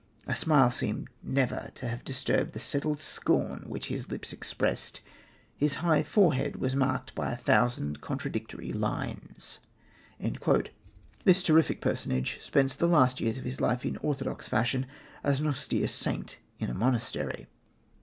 A smile seemed never to have disturbed the settled scorn which his lips expressed; his high forehead was marked by a thousand contradictory lines." This terrific personage spends the last years of his life in orthodox fashion as an austere saint in a monastery.